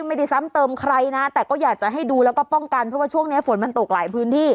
ไม่ได้ซ้ำเติมใครนะแต่ก็อยากจะให้ดูแล้วก็ป้องกันเพราะว่าช่วงนี้ฝนมันตกหลายพื้นที่